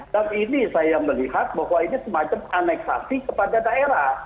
dan ini saya melihat bahwa ini semacam aneksasi kepada daerah